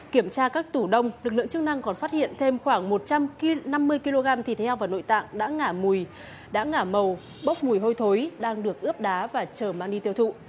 kiểm tra các tủ đông lực lượng chức năng còn phát hiện thêm khoảng một trăm năm mươi kg thịt heo và nội tạng đã ngả mùi đã ngả màu bốc mùi hôi thối đang được ướp đá và chờ mang đi tiêu thụ